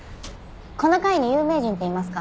この階に有名人っていますか？